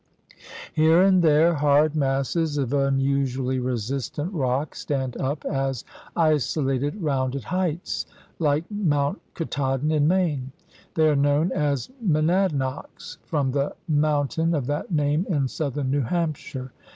Here and there hard masses of unusually resistant rock stand up as isolated rounded heights, like Mount Katahdin in Maine. They are known as "monadnocks " from the moun tain of that name in southern New Hampshire.